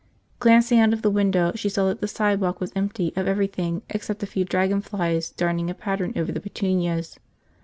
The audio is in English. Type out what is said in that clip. Glancing out of the window, she saw that the sidewalk was empty of everything except a few dragonflies darning a pattern over the petunias.